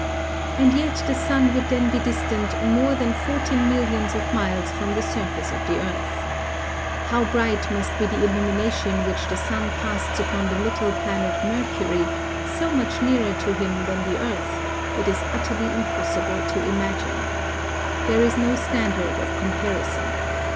And yet the sun would then be distant more than forty millions of miles from the sur face of the earth. How bright must be the illumination which the sun casts upon the little planet Mercury, so much nearer to him than the Earth, it is utterly impossible to imagine. There is no standard of comparison.